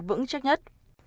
vững chắc nhất